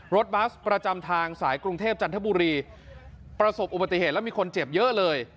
บัสประจำทางสายกรุงเทพจันทบุรีประสบอุบัติเหตุแล้วมีคนเจ็บเยอะเลย